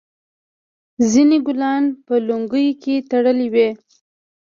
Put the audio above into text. ځینو ګلان په لونګیو کې تړلي وي.